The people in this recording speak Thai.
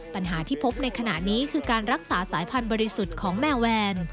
ปัญหาที่พบในขณะนี้คือการรักษาสายพันธุบริสุทธิ์ของแมวแวน